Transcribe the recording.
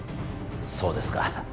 そうですか。